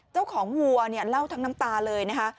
เจ้าของหัวเนี่ยเล่าทั้งน้ำตาเลยนะคะ